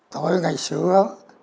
tôi ngày xưa